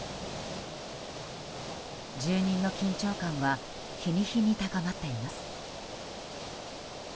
住人の緊張感は日に日に高まっています。